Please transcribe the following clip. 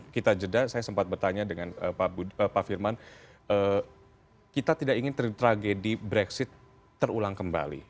kita tidak ingin tragedi brexit terulang kembali